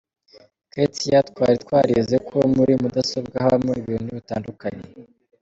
Ketia: Twari twarize ko muri mudasobwa habamo ibintu bitandukanye.